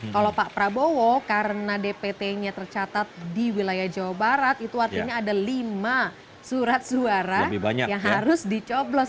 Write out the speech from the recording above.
kalau pak prabowo karena dpt nya tercatat di wilayah jawa barat itu artinya ada lima surat suara yang harus dicoblos